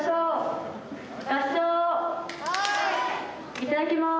いただきます。